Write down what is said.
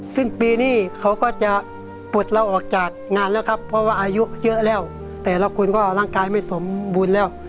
ซึ่งปีนี้เขาก็จะปลดเราออกจากงานแล้วครับเพราะว่าอายุเยอะแล้วแต่ละคนก็ร่างกายไม่สมบูรณ์แล้ว